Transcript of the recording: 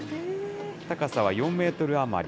高さは４メートル余り。